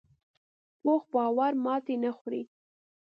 پوخ باور ماتې نه خوري